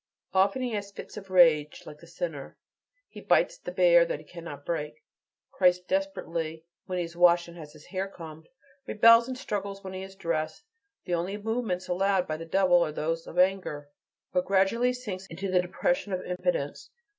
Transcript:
Often he has fits of rage like the sinner; he bites the bear that he cannot break, cries desperately when he is washed and has his hair combed, rebels and struggles when he is dressed. The only movements allowed by the devil are those of anger. But gradually he sinks into the depression of impotence.